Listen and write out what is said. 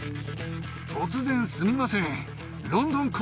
突然すみません。